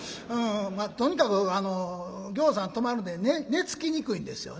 まあとにかくぎょうさん止まるんで寝つきにくいんですよね。